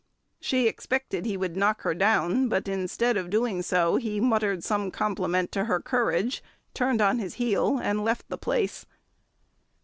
She expected he would knock her down, but instead of doing so he muttered some compliment to her courage, and turned on his heel and left the place.